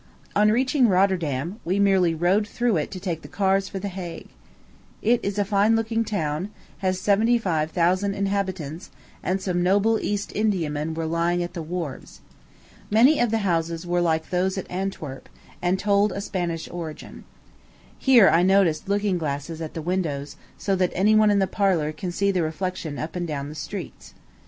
On reaching Rotterdam, we merely rode through it to take the cars for the Hague. It is a fine looking town, has seventy five thousand inhabitants, and some noble East Indiamen were lying at the wharves. Many of the houses were like those at Antwerp, and told a Spanish origin. I here noticed looking glasses at the windows, so that any one in the parlor can see the reflection up and down the streets.